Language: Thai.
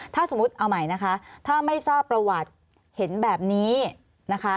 ถ้าสมมุติเอาใหม่นะคะถ้าไม่ทราบประวัติเห็นแบบนี้นะคะ